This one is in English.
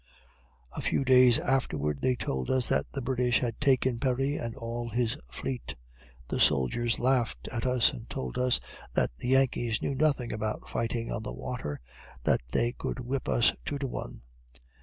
A few days afterward they told us that the British had taken Perry and all his fleet. The soldiers laughed at us, and told us that the Yankees knew nothing about fighting on the water that they could whip us two to one.